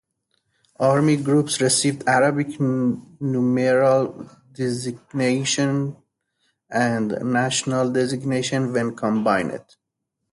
Army groups received Arabic numeral designations and national designations when combined.